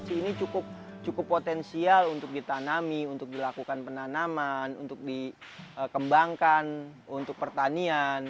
di sini cukup potensial untuk ditanami untuk dilakukan penanaman untuk dikembangkan untuk pertanian